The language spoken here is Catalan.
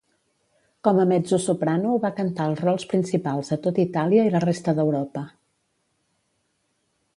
Com a mezzosoprano va cantar els rols principals a tot Itàlia i la resta d'Europa.